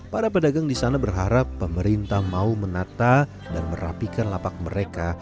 para pedagang di sana berharap pemerintah mau menata dan merapikan lapak mereka